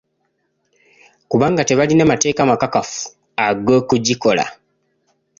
Kubanga tebalina mateeka makakafu ag'okugikola.